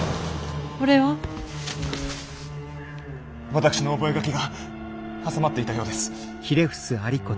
私の覚書が挟まっていたようです。